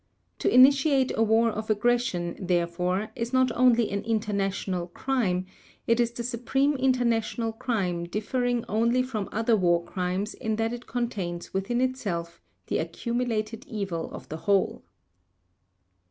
To initiate a war of aggression, therefore, is not only an international crime; it is the supreme international crime differing only from other war crimes in that it contains within itself the accumulated evil of the whole.